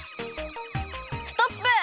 ストップ！